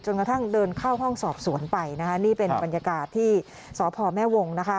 กระทั่งเดินเข้าห้องสอบสวนไปนะคะนี่เป็นบรรยากาศที่สพแม่วงนะคะ